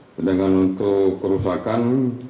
sedangkan untuk kerusakan